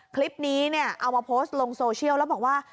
คลิปนี้เนี่ยเอามาโพสต์ลงโซเชียลแล้วบอกว่า